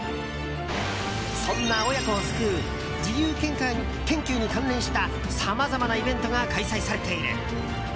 そんな親子を救う自由研究に関連したさまざまなイベントが開催されている。